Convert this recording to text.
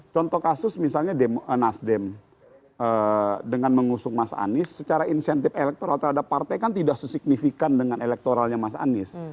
contoh kasus misalnya nasdem dengan mengusung mas anies secara insentif elektoral terhadap partai kan tidak sesignifikan dengan elektoralnya mas anies